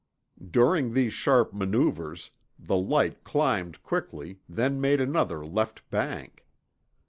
During these sharp maneuvers, the light climbed quickly, then made another left bank.